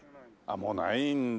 もうないんだ。